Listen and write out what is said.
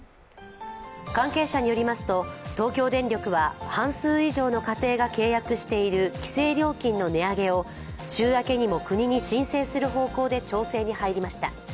関係者によりますと東京電力は半数以上の家庭が契約している規制料金の値上げを週明けにも国に申請する方向で調整に入りました。